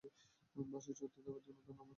বাসে চড়তে দেওয়ার জন্য ধন্যবাদ।